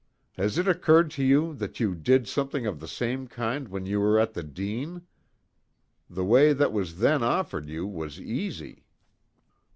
Has it occurred to you that you did something of the same kind when you were at the Dene? The way that was then offered you was easy."